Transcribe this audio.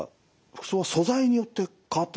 服装は素材によって変わってくる。